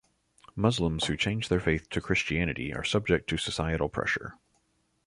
Muslims who change their faith to Christianity, are subject to societal pressure.